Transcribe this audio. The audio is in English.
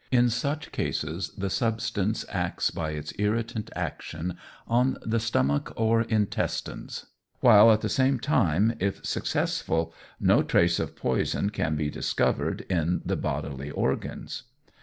In such cases the substance acts by its irritant action on the stomach or intestines, while at the same time, if successful, no trace of poison can be discovered in the bodily organs.